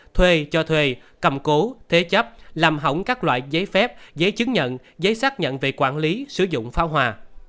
thuê cho thuê cầm cố thế chấp làm hỏng các loại giấy phép giấy chứng nhận giấy xác nhận về quản lý sử dụng pháo hoa